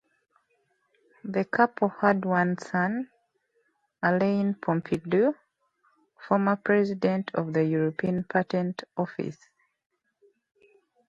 The couple had one son, Alain Pompidou, former president of the European Patent Office.